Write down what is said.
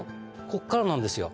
こっからなんですよ。